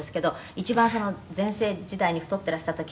「一番全盛時代に太ってらした時っていうのは」